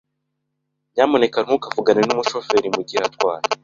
Nyamuneka ntukavugane numushoferi mugihe atwaye.